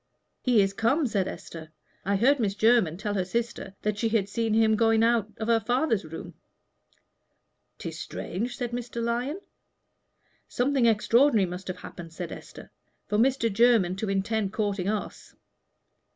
"He is come," said Esther. "I heard Miss Jermyn tell her sister that she had seen him going out of her father's room." "'Tis strange," said Mr. Lyon. "Something extraordinary must have happened," said Esther, "for Mr. Jermyn to intend courting us.